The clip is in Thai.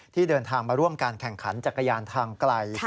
ที่เดินทางมาร่วมการแข่งขันจักรยานทางไกล